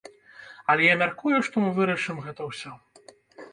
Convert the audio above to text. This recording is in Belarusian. Але я мяркую, што мы вырашым гэта ўсё.